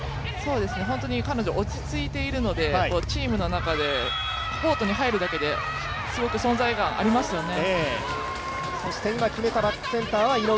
本当に彼女、落ち着いているので、チームの中で、コートに入るだけですごく存在感、ありますよね。